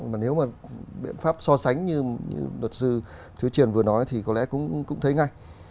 mà nếu mà biện pháp so sánh như luật sư thứ triền vừa nói thì có lẽ cũng thấy ngay